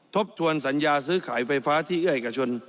ทบทวนสัญญาซื้อขายไฟฟ้าที่เอื้อเอกชน